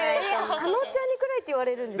あのちゃんに暗いって言われるんですか？